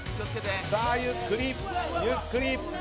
ゆっくりゆっくり。